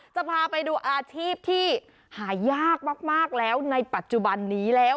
จะพาไปดูอาชีพที่หายากมากแล้วในปัจจุบันนี้แล้ว